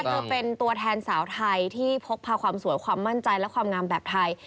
เธอเป็นตัวแทนสาวไทยที่พกพาความสวยความมั่นใจและความงามแบบไทย